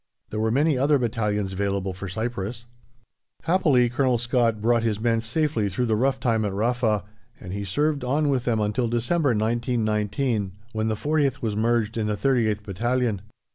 There were many other battalions available for Cyprus. Happily, Colonel Scott brought his men safely through the rough time at Rafa, and he served on with them until December, 1919, when the 40th was merged in the 38th Battalion.